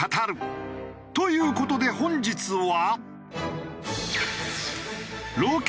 という事で本日は。